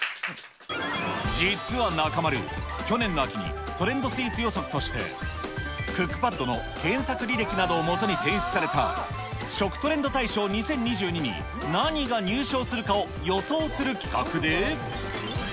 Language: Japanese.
実は中丸、去年の秋に、トレンドスイーツ予測として、クックパッドの検索履歴などをもとに選出された、食トレンド大賞２０２２に何が入賞するかを予想する企画で。